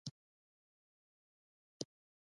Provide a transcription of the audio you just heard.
د تخه د درد لپاره د انګور اوبه وڅښئ